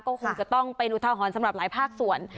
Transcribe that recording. ก็คงจะต้องเป็นอุทาหรณ์สำหรับหลายภาคส่วน